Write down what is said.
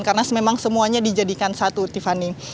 karena memang semuanya dijadikan satu tiffany